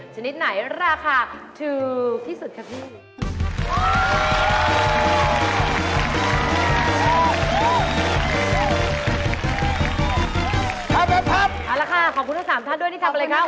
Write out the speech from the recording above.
ชนิดไหนราคาถูกที่สุดครับพี่